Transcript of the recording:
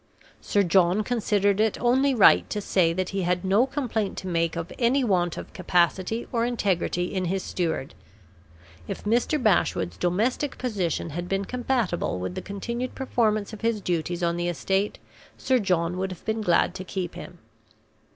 Sir John considered it only right to say that he had no complaint to make of any want of capacity or integrity in his steward. If Mr. Bashwood's domestic position had been compatible with the continued performance of his duties on the estate, Sir John would have been glad to keep him.